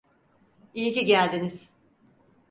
İyi ki geldiniz.